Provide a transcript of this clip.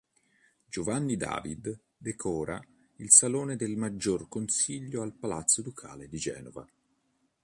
Giovanni David decora il Salone del Maggior Consiglio al Palazzo Ducale di Genova.